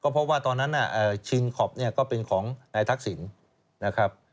เพราะว่าตอนนั้นชิงขอบก็เป็นของนายทักศิลป์